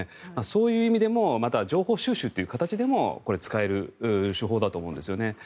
そういう意味でも情報収集という形でもこれ、使える手法だと思うんですよね。